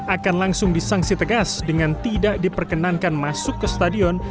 akan langsung disangsi tegas dengan tidak diperkenankan masuk ke stadion